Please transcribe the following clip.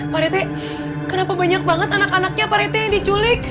pak reti kenapa banyak banget anak anaknya pak reti yang diculik